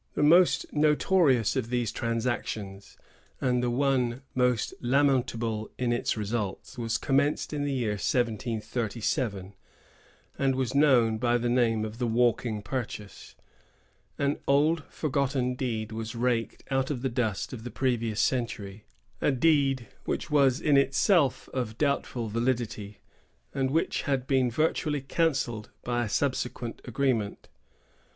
The most notorious of these transactions, and the one most lamentable in its results, was commenced in the year 1737, and was known by the name of the walking purchase. An old, forgotten deed was raked out of the dust of the previous century; a deed which was in itself of doubtful validity, and which had been virtually cancelled by a subsequent agreement.